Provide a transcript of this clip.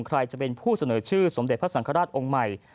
ใครจะเป็นผู้เสนอชื่อสมเด็จพระสังฆราชองค์ใหม่